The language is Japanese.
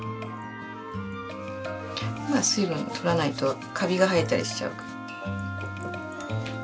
まあ水分取らないとカビが生えたりしちゃうから。